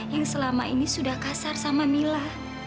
yang selama ini sudah kasar sama mila